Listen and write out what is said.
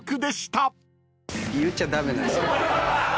言っちゃ駄目なんです。